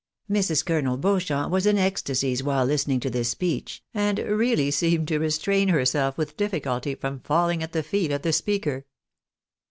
Mrs. Colonel Beauchamp was in ecstasies while listening to this speech, and really seemed to restrain herself with difficulty from falhng at the feet of the speaker.